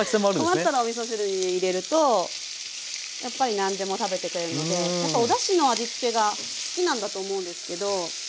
困ったらおみそ汁に入れるとやっぱり何でも食べてくれるのでやっぱおだしの味付けが好きなんだと思うんですけどはい。